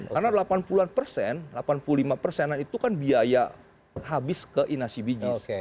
karena delapan puluh an persen delapan puluh lima persenan itu kan biaya habis ke inasi bijis